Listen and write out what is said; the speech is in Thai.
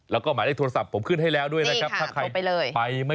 แล้วก็หมายได้โทรศัพท์ผมขืนให้แล้วด้วยนะครับ